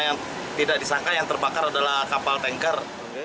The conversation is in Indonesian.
yang tidak disangka yang terbakar adalah kapal tanker